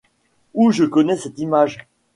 Ouh je connais cette image !